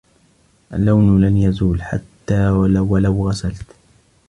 اللون لن يزول، حتى ولو غسلت.